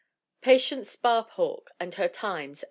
Patience Sparhawk and Her Times, 1897.